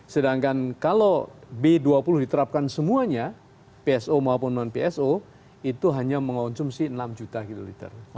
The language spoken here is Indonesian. sedangkan kalau b dua puluh diterapkan semuanya pso maupun non pso itu hanya mengonsumsi enam juta kiloliter